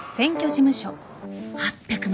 ８００万